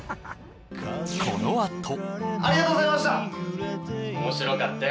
このあとありがとうございました